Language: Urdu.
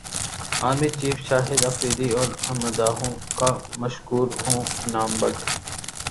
ارمی چیفشاہد افریدی اور مداحوں کا مشکور ہوں انعام بٹ